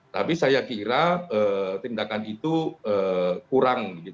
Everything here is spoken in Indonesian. tapi saya kira tindakan itu kurang